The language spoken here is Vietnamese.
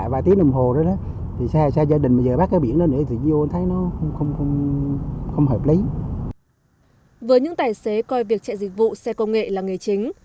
với những tài xế coi việc chạy dịch vụ xe công nghệ là nghề chính